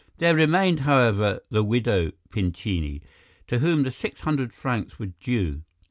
There remained, however, the widow Pincini, to whom the six hundred francs were due.